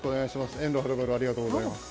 遠路はるばるありがとうございます。